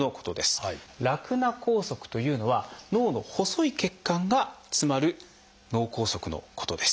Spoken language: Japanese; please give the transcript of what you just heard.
「ラクナ梗塞」というのは脳の細い血管が詰まる脳梗塞のことです。